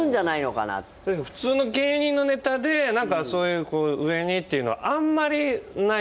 普通の芸人のネタで何かそういうこう上にっていうのはあんまりないと思う。